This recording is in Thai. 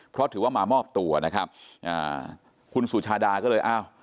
เพราะถือว่ามามอบตัวนะครับอ่าคุณสุชาดาก็เลยอ้าว